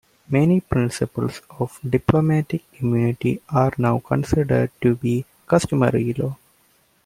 Many principles of diplomatic immunity are now considered to be customary law.